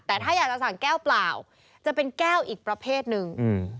แต่ถ้าอยากจะสั่งแก้วเปล่าจะเป็นแก้วอีกประเภทหนึ่งอืม